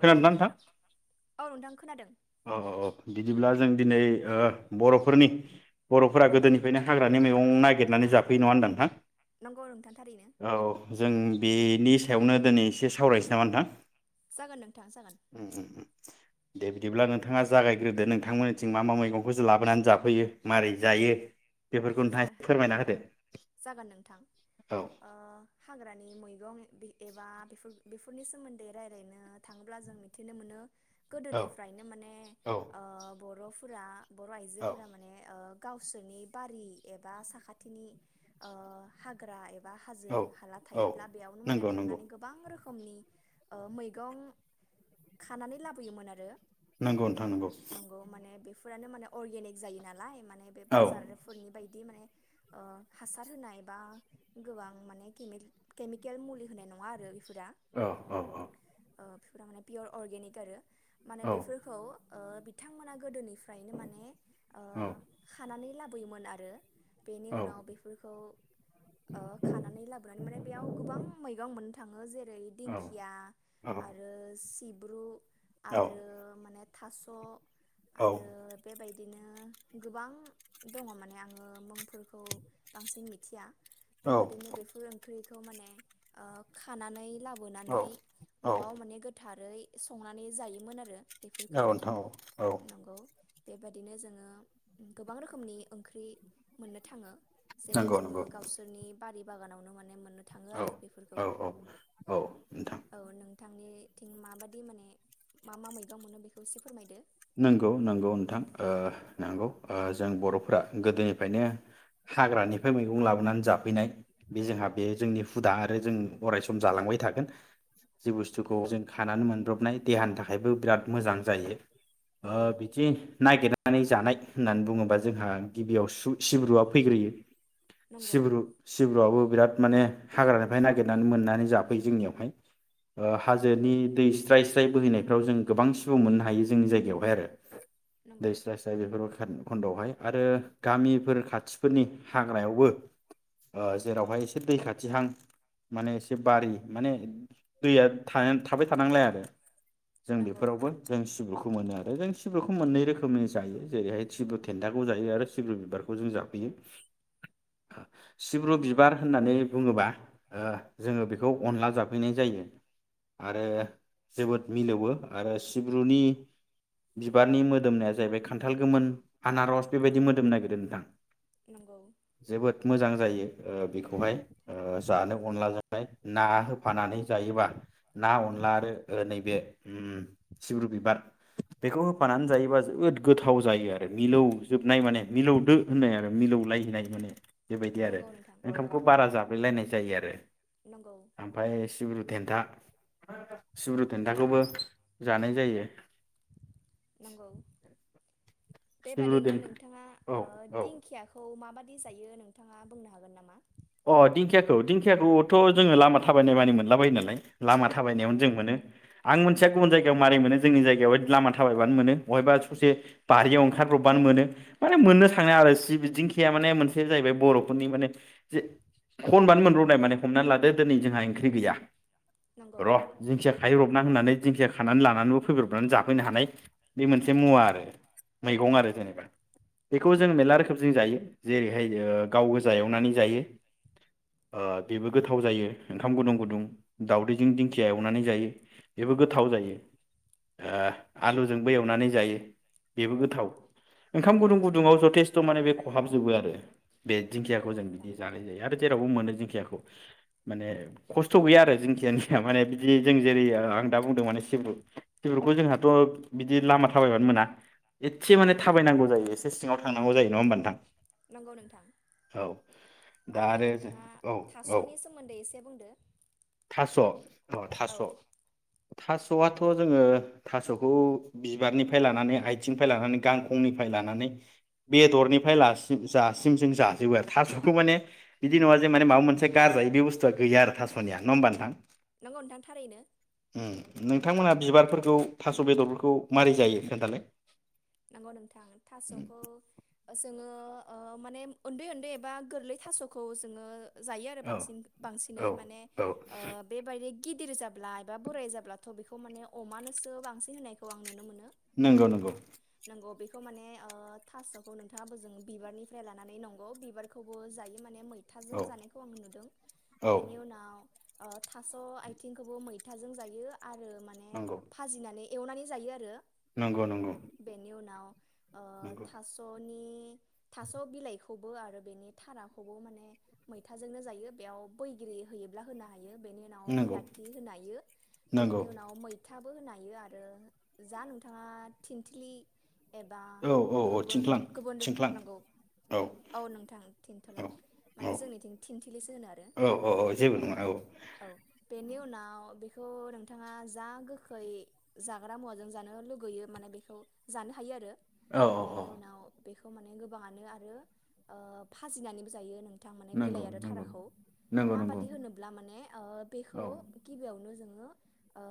खोनादोंना नोंथां औ नोंथां खोनादों औ औ औ बिदिब्ला जों दिनै बर'फोरनि बर'फोरा नंगौ गोदोनिफ्रायनो हाग्रानि मैगं नागिरनानै जाफैयो नङा होनबा नोंथां नंगौ नोंथां थारैनो औ जों बेनि सायावनो दिनै एसे सावरायसै नामा नोंथां जागोन नोंथां जागोन उम उम उम दे दिब्ला नोंथाङा जागायग्रोदो नोंथांमोननिथिं मा मा मैगंखौसोज लाबोनानै जाफैयो माबारै जायो। बेफोरखौ जा नोंथाङा एसे फोरमायना होदो जागोन नोंथां औ ओ हाग्रानि मैगं बि एबा बेफोर बेफोरनि सोमोन्दै रायलायनो थाङोब्ला जों मिथिनो मोनो। औ गोदोनिफ्रायनो माने औ ओ बर'फ। फुरा। बर' आइजोफोरा माने ओ। गावसोरनि बारि। एबा साखाथिनि‌ओ हाग्रा एब बा हाजो औ हाला औ थायोब्ला बेयावनो माने नंगौ नंगौ थांनानै गोबां रोख खोमनि ओ मैगं खानानै लाबोयोमोन आरो। नोंगौ नोंथां नोंगौ। फोरानो माने अर्गेनिक जायो नालाय मान बेबे औ बाजारफोरनि बायद माने ओ हासार होनाय बबा गोबां माने केमिल केमिकेल मुलि होनाय नङा आरो बेफोरा औ औ औ। ओ बफिफोरा माने पियर अरगेनिक आरो। माने औ बेफोरखौ। ओ बिथांमोना गोदोनिब फ्रायनो माने ओ औ खानानै लाब बोयोमोन आरो। बेनि उनाव बेफोरखौ ओ खानानै लाबोनानै माने बेयाव गोबां मैगं मोन थाङो जे रै दिंखिया औ आरो सिब औ आरो माने थास'। औ आरो बे बाय इदिनो गोबां दङ माने आङो। मुंफोरखौ बांसिन मिथिया। औ बेबादिनो बेफोर ओंख्रि खौ माने ओ खानानै लाब औ बोनानै औ न'आव माने गोथार गोरै संनानै जायोमोन आरो। औ बेफोरखौनो नोथां औ औ। नंगौ बेबादिनो जोङो गोबां रोखोमनि ओंख्रि। मोननो थाङो। जेखौ नंगौ जोङो नंगौ गावसोरनि बारि बागानावनो माने मोन मोननो औ थादों बिफोरखौ औ औ औ नोंथां औ नों, नोंथांनिथिं माबादि माने मा मा मैगं मोनो बेखौ एसे फोरमायदो नंगौ नंगौ नोंथां ओ नंगौ जों बर'फोरा गोदोनिफ्रायनो हाग्रानिफ्राय मैगं लाबोनानै जाफैनाय बे जोङा बे जोंनि हुदा आरो जों अराय सम जालांबाय थागोन, जि बुस्थुखौ नंगौ जों खानानै मोनब्रबनाय देहानि थाखा आयबो बिराद मोजां जायो। ओ नंगौ बिदि नागिरनानै जानाय, होननानै बुङोबा जोंहा गिबियाव सु सिब्रुआ फैग्रोयो, नंगौ सिब्रु सिब्रुआबो बिराद माने हाग्रानिफ्राय नागिरनानै मोननानै जाफैयो जोंनियावहाय, नंगौ हाजोनि दै स्राय थाइ बोैहैनायफ्राव जों गोबां सिबु मोननो हायो जोंनि जायगायाव, बाय आरो दै नंगौ स्राय स्राय [unintelligible] खन्दआवहाय आरो गामिफोर खाथिफोरनि हाग्रायावबो ओ जेरावहाय एसे दै खाथिहां माने एसे बारि माने दैया थाया थाबाय थानांलाय आरो जों नंगौ बेफोरावबो जों सिब्रुखौ मोनो दा जों सिब्रुखौ मोननै रोखोमै जायो जेरैहाय सिब्रु थेन्थाखौ जायो आरो सिब्रु बिबारखौ जों जाफैयो सिब्रु नंगौ बिबार होननानै बुङोबा ओ जोङो बेखौ अनला जाफैनाय जायो आरो जोबोद मिलौवो आरो सिब्रुनि बिबारनि मोदोमनाया जाहैबाय खान्थाल गोमोन आनारस बेबायदि मोदोम नागिरदों नोंथां नंगौ जोबोद मोजां जायो बेखौहाय जानो नंगौ अनलाजोंहाय ना होफानानै जायोबा ना अनला आरो नैबे सिब्रु बिबार बेखौ होफानानै जायोबा जोबोद गोथाव जायो आरो। मिलौजोबनाय माने मिलौदो होननाय आरो मिलौलायनाय माने बेबायदि आरो नंगौ नोंथां ओंखामखौ बारा जाब्लेलायनाय जायो आरो नंगौ ओमफ्राय सिब्रु देन्था सिब्रु देन्थाखौबो जानाय जायो। नंगौ सिब्रु बेबादिनो देन्था नोंथाङा औ औ दिंखियाखौ माबाद [unintelligible] जायो अ दिंखियाखौ दिंखियाखौथ' जोङो लामा थाबायनाय मानि मोनला बायो नालाय लामा थाबायनायावनो नंगौ जों मोनो आं मोनथिया नंगौ गुबुन जायगायाव मारै मोनो जोंनि जायगायाव लामा थाबायबानो मोनो बहायबा ससे बारियाव ओंखारब्रबानो मोनो माने मोननो थाङो आरो सि बिदिंखिया माने मोनसे जाहैबाय बर'फोरनि माने जे खनबानो मोनब्रनाय माने हमनानै लादो दिनै जोंहा ओंख्रि गैया नंगौ र' दिंखिया खाहैब्रबनां होननानै दिंखिया खानानै लानानैबो फैब्रबनानै जाफैनो हानाय बे मोनसे मुवा आरो मैगं आरो नंगौ जेनेबा बेखौ जों मेरला रोखोम जों जायो जेरैहाय गाव गोजा एवनानै जायो ओ बेबो गोथाव जायो ओंखाम गुदुं गुदुं दावदैजों दिंखिया एवनानै जायो बेबो नंगौ गोथाव जायो ओ आलुजोंबो एवनानै जायो बेबो नंगौ गोथाव ओंखाम गुदुं गुदुंङाव जथेस्थ' माने बे खहाब जोबो आरो बे दिंखियाखौ नंगौ जों नोंथां आरो जेरावबो मोनो दिंखियाखौ माने खस्थ' गैया आरो जिंखियानिया माने बिदि जों जेरै आं दा बुंदों माने सिब्रु सिब्रुखौ जोंहाथ' बिदि लामा थाबायबानो मोना। एदसे माने नंगौ थाबायनांगौ जायो एसे सिङाव थांनांगौ जायो नङा होमबा नोंथां नंगौ नोंथां औ दा आरो जों नोंथाङा औ औ थास'नि सोमोन्दै एसे बुंदो थास' औ औ थास' थास'आथ' जोङो थास'खौ बिबारनिफ्राय लानानै आथिंनिफ्राय लानानै गांखंनिफ्राय लानानै बेदरनिफ्रायसि जासिम जों जाजोबो आरो थास' बेखौ माने बिदि नङा जे माने माबा मोनसे गारजायो बे बस्थुआ गैया आरो थास'निया ना होमबा नोंथां नंगौ नोंथां थारैनो उम नोंथांमोना बिबारफोरखौ थास' बेदरफोरखौ मारै जायो खोन्थालाय नंगौ नोंथां थास'खौ जोङो ओ माने उन्दै उन्दै एबा गोरलै थास'खौ जोङो जायो आरो औ बांसिन बांसिनै औ माने औ ओ बेबायदि गिदिर जाब्ला एबा बोराय जाब्लाथ' बेखौ माने अमानोसो बांसिन होनायखौ आं नुनो मोनो। नंगौ नंगौ बेखौ माने ओ थास'खौ नोंथाङो जों बिबारनिफ्राय लानानै नंगौ बिबारखौबो जायो माने मै थाजों औ जानायखौ आं नुदों औ बेनि उनाव ओ थास' आथिंखौबो मैथाजों जायो आरो माने नंगौ भाजिनानै एवनानै जायो आरो नंगौ नंगौ बेनि उनाव ओ नंगौ थास' नि थास' बिलाइ खौबो आरो बेनि थाराखौबो माने मैथाजोंनो जायो बेयाव बैगिरि होयोब्ला होनो हायो बेनि उनाव नंगौ बिलाथि होनो हायो बेनि नंगौ उनाव मैथा बो होन्नो हायो आरो जा नोंथाङा थिन थ्लि। एबा औ औ औ गोबोन थिंख्लां गोबोन रोखो थिंख्लां नांगौ औ नोंथां औ थेनथ'लां मानो जोंनिथिं थिनथिलिसो होनो आरो औ औ जेबो औ नङा औ बेनि उना आव बेखौ नोंथाङा जा गोखै जाग्रा मुवाजों जानो लुगैयो माने बेख औ जानो हायो आरो। औ औ औ बेनि उनाव। बेखौ माने गोबाङानो आरो ओ फाजिनानैबो जायो नों थां माने नंगौ बिलाइ आरो नंगौ थाराखौ नंगौ नंगौ माबादि होनोब्ला माने ओ औ बेखौ गिबियावनो जोङो ओ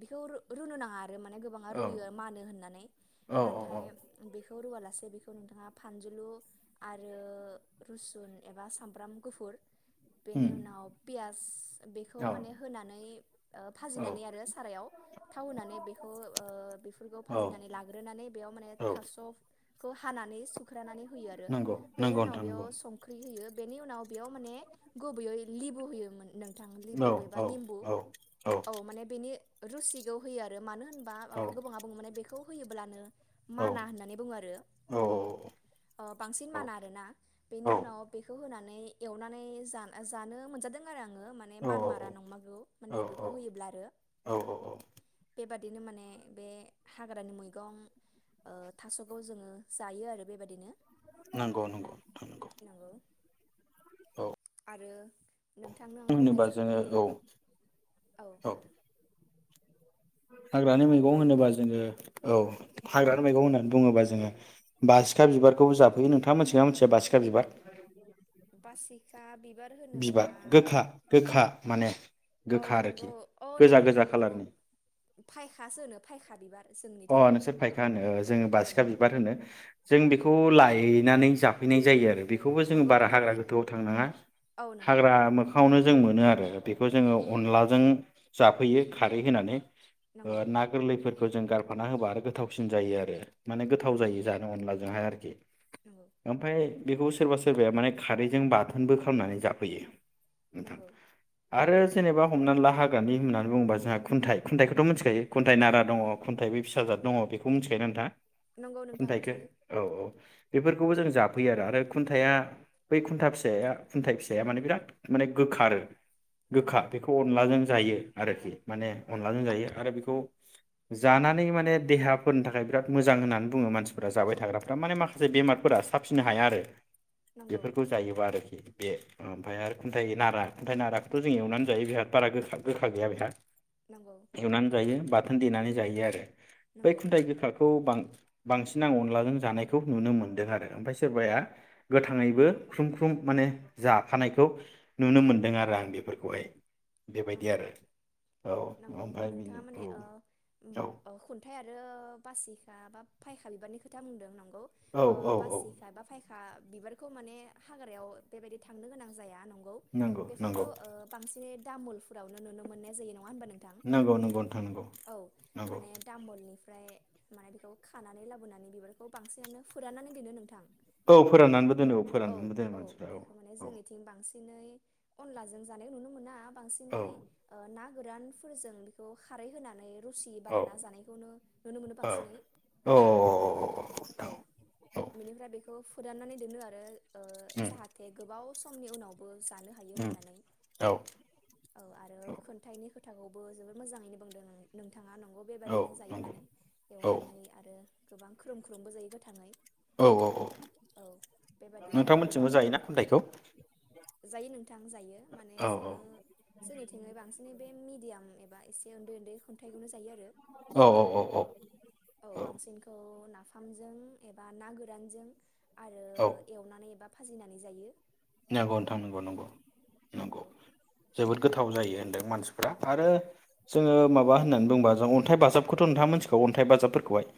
बिखौ रु-रुनो नाङा आरो माने गोबाङा औ रुयो मानो होननानै। औ औ नाथाय बेख खौ रुवालासे बेखौ नोंथाङा फानजुलु आरो रुसुन एबा सामब्राम गुफुर। बेनि उम उनाव पियास बेखौ औ माने होनानै ओ औ भाजिनानै आरो सारायाव थाव होनानै बेखौ ओ बेफोरखौ औ फाजिनानै लाग्रोनानै बेयाव माने औ थास' खौ हानानै स ख्रानानै होयो आरो नंगौ बेनि नंगौ उनाव नोंथां नंगौ बेयाव संख्रि होयो। बेनि उनाव बेयाव माने गुबोयै लिबु होयोमोन नों थां औ लिबु एबा औ निम्बु औ औ माने बेनि रुसिगौ होयो आरो मानो ह होनबा माबा गोबाङा बुङो माने बेख खौ होयोबोलानो माना होननानै बुङो आरो औ औ ओ बांसिन माना आरोना बेनि उनाव बेखौ होनान नै एवनानै जान-जानो मोनजादों आरो आं। ङो माने मानमारा नंमारगौ मान लेबुखौ होयोब्ला आरो बेबाद दिनो माने बे हाग्रानि मैगं ओ थास'गोव जोङो जायो आरो बेबायदिनो। नोंगौ नंगौ नंगौ औ आरो नोंथांनो आं बुंनाय होनोबा जोङो जाखाबाय जे औ औ। हाग्रानि नोंथाङा मैगं बुंलाय होनोबा जोङो औ। हाग्रानि मैगं होननानै बुङोबा जोङो बासिखा बिबारखौबो जाफैयो नोंथाङा मोनथिगोना मिथिया बासिखा बिबार? बासिखा बिब बिबार गोखा गोखा। माने। औ गोखा आरोखि नंगौ अ' नंगौ गोजा माने गोजा बेखौ खालारनि फायखासो होनो फायखा बिबार। अ जोंनिथिं आरो नोंसोर फायखा होनो जोङो औ बासिखा बिबार होनो जों बेखौ खौ लायनानै जाफैनाय जायो आरो। बेखौबो जों नंगौ बारा बेखौ हाग्रा माने गोथौआव थांनाङा औ नंगौ हाग्रा मोखाङावनो जों मोनो आरो। बेखौ जोङो अनलाजों जाफैयो खारै होनानै नंगौ ना गोरलैफोर जों गार हफाना होबा आरो गोथावसिन जायो आरो। माने गोथाव नंगौ जायो जानो अनलाजोंहाय आरोखि। नंगौ खि। ओमफ्राय बेखौ सोरबा सोरबाया माने खारैजों बाथोनबो खालामनानै जाफैयो। नोंथां नंगौ आरो जेनेबा हमनानै ला हाग्रानि होननानै बुङोबा जोंहा खुनथाइ खुन्थाइखौथ' मिथिखायो खुन्थाइ नारा दङ। खुन्थाइबो फिसाजाद दङ बेखौ मोन मिथिखायो नोंथाङा? नंगौ नोंथां खुनथाइखो मिथियो औ औ। बेफोरखौबो जों जाफैयो आरो खुन्थाइआ बै खुन्था फिसाया खुन्थाइ फिसाया माने बिराद माने गोखा आरो। गोखा नंगौ बेखौ अनलाजों जायो। आरोखि माने अनलाजों जायो आरो बेखौ जानानै माने देहाफोरनि थाखाय बिराद मोजां होननानै बुङो मानसिफोरा जाबाय थाग्राफ्रा माने माखासे बेमारफोरा साबसिननो हाया आरो। नंगौ बेफोरखौ जायोबा आरोखि। बे ओमफ्राय आरो खुन्थाइ नारा खन्थाइ नाराखौथ' जों एवनानै जायो बेहा बारा गोखा गोखा गैया बेहा। नंगौ एवनानै जायो बा थोन दनानानै जायो आरो बै नंगौ खुन्थायाइ बिखौ बां बांसिन आं अनलाजों जानायखौ नुनो मोन्दों आरो ओमफफ्राय सोरबाया गोथाङैबो ख्रुम ख्रुम माने जाखानायखौ नुनो मोनदों आरो आं बेफोरखौहाय। बेबायदि नंगौ आरो औ ओमफ्राय बेनि औ औ अ खुन्थाइ आरो बासिखा बा फायखालिबानि खोथा बुंदों नं गौ औ ओ औ औ बा फायखा बिबा खौ माने हाग्रायाव बेबायदि थांनो गोनां जाया नंगौ बेफोरखौ ओ बांसिनै तामुलफोरावनो नुनो मोननाय जायो नङा होनबा नोंथां नंगौ नंगौ नोंथां नंगौ औ नंगौ माने दामलनि फ्राय माने बेखौ खानानै लाबोनानै बिबारखौ बांसिनानो फोराननानै दोनो नोंथां। औ बेखौ फोराननानैबो दोनो औ फोराननानैबो दोनो मानसिफ्रा औ औ बिनै अनलाजों जानायखौ नुनो मोना औ बांसिनै औ ओ ना गोरानफोरजों बेखौ खारै होनानै रुसि औ बानायना जानायखौनो नुनो मोनो औ बांसिनै औ औ नोंथां औ उम बेनिफ्राय बेखौ फोरानानै दोनो आरो ओ जाहाथे गोबाव समनि उनावबो जानो हायो उम होननानै औ औ आरो औ खोनन्थाइनि खो थाखौबो जोबोर मोजाङैनो बुंदों नों थांङा नंगौ औ बेबादिनो जायो नंगौ माने औ एवनानै आरो गोबां ख्रोम ख्रोमबो जायो गोथाङै औ औ औ औ बेबादिनो आरो नोंथांमोनथिबो गोबां जायोना खुन्थाइखौ जायो नों थां जायो माने औ जोङो जोंनिथिङै बांसिनै बे मिडियाम एबा एसे उन्दै उन्दै खुन्थाइखौनो जायो आरो औ औ औ औ बांसिनखौ ना नाफामजों एबा ना गोरानजों आरो एवनानै एबा फाजिनानै जायो नांगौ नोंथां नंगौ नंगौ नंगौ जोबोद गोथा व जायो होनदों मानसिफ्रा आरो जोङो माबा होननानै बुंबा जों अन्थाइ बाजाबखौथ' नोंथाङा मोनथिगौ अन्थाइ बाजाबफोरखौहाय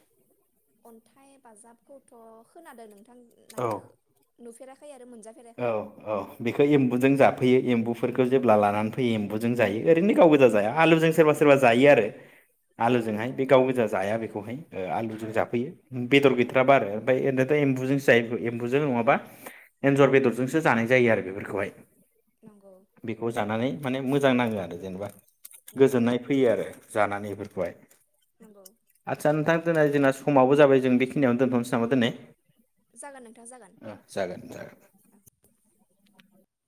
अन्थाइ बाजाबखौथ' खोनादों नों औ नाथाय नुफेराखै आरो औ मोनजाफेराखै औ बेखौ एम्बुजों जाफैयो एम्बु एम्बुफोरखौ जेब्ला लानानै फैयो एम्बुजों जायो ओरैनो गाव गोजा जाया आलुजों सोरबा सोरबा जायो आरो आलुजोंहाय औ बे गाव गोजा जाया बेखौहाय औ आलुजों जाफैयो बेदर औ गैद्राबा आरो ओमफ्राय ओैनोथ' एम्बुजों नंगौ सो जायो एम्बुजों नङाबा एन्जर बेदरजोंसो जानाय जायो आरो बेफोरखौहाय नंगौ बेखौ जानानै माने मोजां नाङो आरो जेनेबा नंगौ गोजोननाय फैयो आरो जानानै बेफोरखौहाय नंगौ आदसा नोंथां [inaudible] जोंना समाबो जाबाय जों बेखिनियाव दोनथ'नोसै नामा दनै जागोन नोंथां जागोन जागोन जागोन